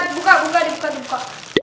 buka buka dibuka